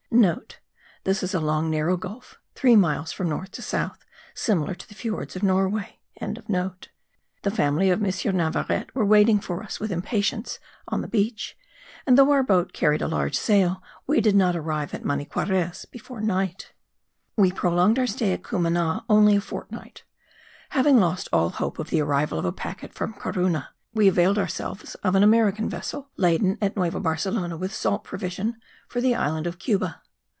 (* This is a long narrow gulf, three miles from north to south, similar to the fiords of Norway.) The family of M. Navarete were waiting for us with impatience on the beach; and, though our boat carried a large sail, we did not arrive at Maniquarez before night. We prolonged our stay at Cumana only a fortnight. Having lost all hope of the arrival of a packet from Corunna, we availed ourselves of an American vessel, laden at Nueva Barcelona with salt provision for the island of Cuba.